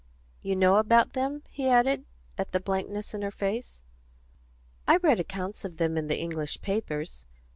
You know about them?" he added, at the blankness in her face. "I read accounts of them in the English papers.